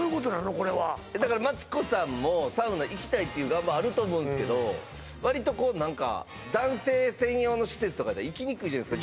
これはだからマツコさんもサウナ行きたいっていう願望あると思うんすけど何か男性専用の施設とかじゃ行きにくいじゃないですか